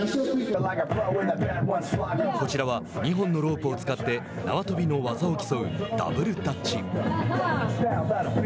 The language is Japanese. こちらは、２本のロープを使って縄跳びの技を競うダブルダッチ。